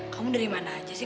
kamu dari mana aja sih